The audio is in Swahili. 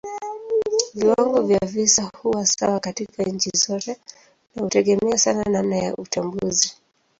Viwango vya visa huwa sawa katika nchi zote na hutegemea sana namna ya utambuzi.